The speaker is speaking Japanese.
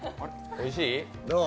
おいしい。